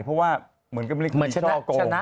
เพราะว่าเหมือนก็ไม่ได้คุณที่ชอบโกง